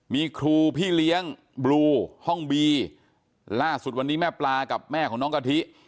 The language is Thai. มีครูพี่เลี้ยงบลูห้องบีล่าสุดวันนี้แม่ปลากับแม่ของน้องกะทิ